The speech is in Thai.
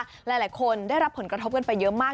หลายคนได้รับผลกระทบกันไปเยอะมาก